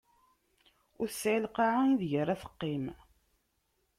Ur tesɛi lqaɛa ideg ar ad teqqim.